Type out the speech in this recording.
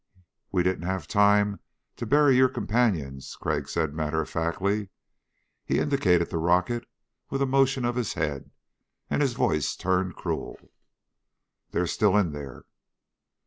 "We didn't have time to bury your companions," Crag said matter of factly. He indicated the rocket with a motion of his head and his voice turned cruel: "They're still in there."